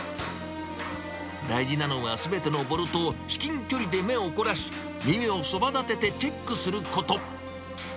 大事なのは、すべてのボルトを至近距離で目を凝らし、耳をそばだててチェックすること。